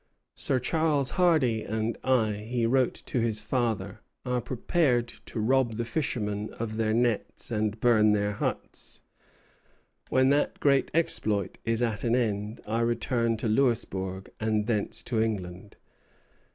"Sir Charles Hardy and I," he wrote to his father, "are preparing to rob the fishermen of their nets and burn their huts. When that great exploit is at an end, I return to Louisbourg, and thence to England."